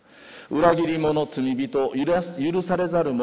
裏切り者罪人許されざる者。